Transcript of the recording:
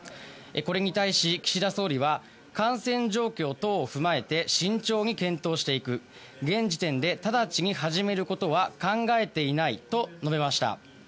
これに対し、岸田総理は、感染状況等を踏まえて、慎重に検討していく、現時点で直ちに始めることは考えていないと述べました。